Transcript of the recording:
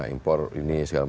impor ini segala macam